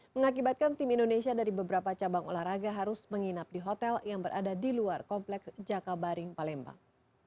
mengakibatkan tim indonesia dari beberapa cabang olahraga harus menginap di hotel yang berada di luar kompleks jakabaring palembang